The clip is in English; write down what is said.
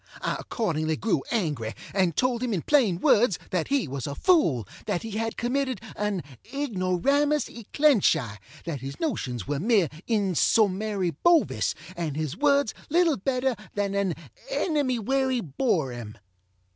I accordingly grew angry, and told him in plain words, that he was a fool, that he had committed an ignoramus e clench eye, that his notions were mere insommary Bovis, and his words little better than an ennemywerryborŌĆÖem.